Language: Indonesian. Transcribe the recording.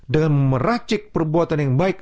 dengan meracik perbuatan yang baik